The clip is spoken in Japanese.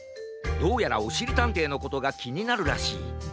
どうやらおしりたんていのことがきになるらしい。